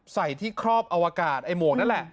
ใส่ที่ครอบอวกาศไอ้หมวกนั่นแหละ